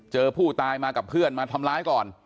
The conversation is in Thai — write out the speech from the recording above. เจอผู้ตายมากับเพื่อนมาทำร้ายก่อน